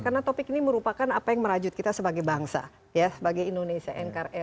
karena topik ini merupakan apa yang merajut kita sebagai bangsa ya sebagai indonesia nkrm